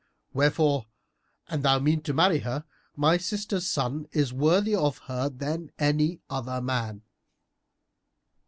[FN#327] Wherefore, an thou mean to marry her, my sister's son is worthier of her than any other man."